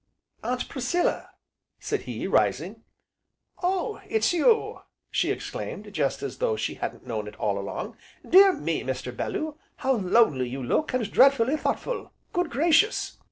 "Aunt Priscilla!" said he, rising. "Oh! it's you?" she exclaimed, just as though she hadn't known it all along. "Dear me! Mr. Bellew, how lonely you look, and dreadfully thoughtful, good gracious!"